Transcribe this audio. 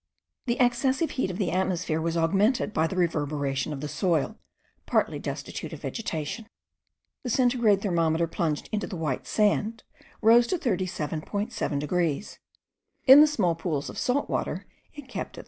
The excessive heat of the atmosphere was augmented by the reverberation of the soil, partly destitute of vegetation. The centigrade thermometer, plunged into the white sand, rose to 37.7 degrees. In the small pools of salt water it kept at 30.